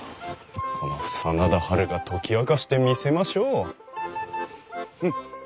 この真田ハルが解き明かしてみせましょう。